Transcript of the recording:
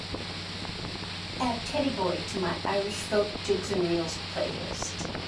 add Teddy Boy to my Irish Folk – Jigs & Reels playlist